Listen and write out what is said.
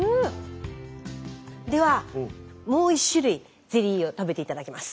ではもう１種類ゼリーを食べて頂きます。